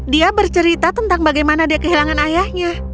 dia bercerita tentang bagaimana dia kehilangan ayahnya